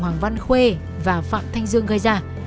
hoàng văn khuê và phạm thanh dương gây ra